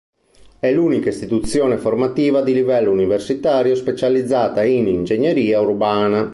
È l'unica istituzione formativa di livello universitario specializzata in ingegneria urbana.